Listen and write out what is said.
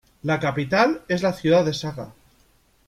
La capital es la ciudad de Saga.